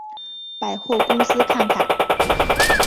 百货公司看看